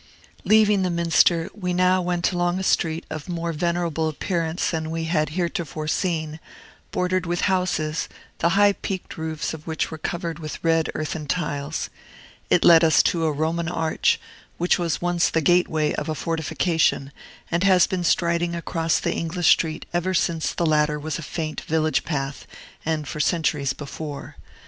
Leaving the Minster, we now went along a street of more venerable appearance than we had heretofore seen, bordered with houses, the high peaked roofs of which were covered with red earthen tiles. It led us to a Roman arch, which was once the gateway of a fortification, and has been striding across the English street ever since the latter was a faint village path, and for centuries before.